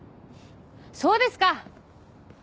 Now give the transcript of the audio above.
そうですか！